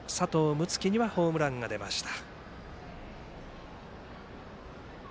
樹にはホームランが出ました。